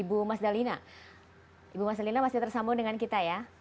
ibu mas dalina ibu mas dalina masih tersambung dengan kita ya